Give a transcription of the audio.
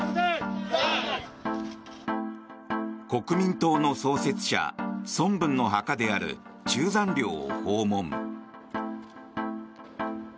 国民党の創設者・孫文の墓である中山陵を訪問。